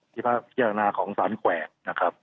ที่พระพิเศษฐานาของศาลแขวนนะครับ